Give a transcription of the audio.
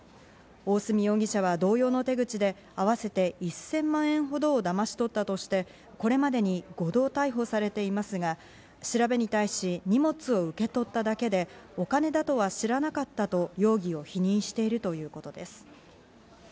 大角容疑者は同様の手口で合わせて１０００万円ほどをだまし取ったとして、これまでに５度逮捕されていますが、調べに対し荷物を受け取っただけで、お金だとは知らなかったと容疑を否認しているということです。